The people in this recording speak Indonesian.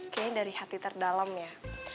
kayaknya dari hati terdalam ya